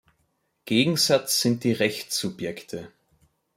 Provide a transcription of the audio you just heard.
Gegensatz sind die Rechtssubjekte.